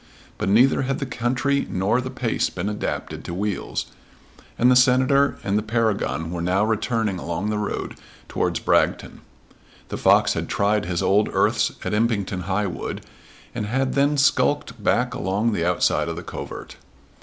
But neither had the country nor the pace been adapted to wheels, and the Senator and the Paragon were now returning along the road towards Bragton. The fox had tried his old earths at Impington High wood, and had then skulked back along the outside of the covert.